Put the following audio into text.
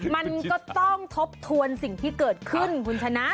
มันก็ต้องทบทวนสิ่งที่เกิดขึ้นคุณชนะ